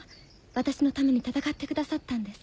私のために戦ってくださったんです。